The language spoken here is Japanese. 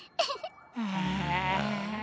・ああ。